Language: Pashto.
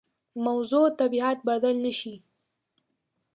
موضوع طبیعت بدل نه شي.